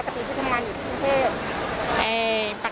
ปกติที่ทำงานอยู่ที่ประเทศ